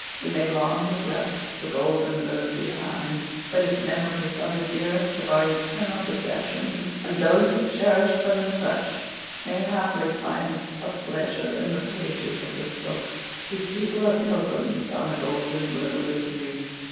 We may long have left the golden road behind, but its memories are the dearest of our eternal possessions; and those who cherish them as such may haply find a pleasure in the pages of this book, whose people are pilgrims on the golden road of youth.